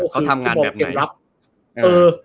เขาทำงานแบบไหน